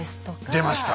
出ました